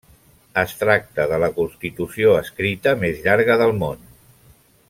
Es tracta de la constitució escrita més llarga del món.